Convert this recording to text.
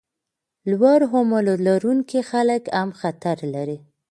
لوړ عمر لرونکي خلک هم خطر لري.